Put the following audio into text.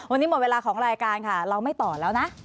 วันนี้หมดเวลาของรายการค่ะเราไม่ต่อแล้วนะ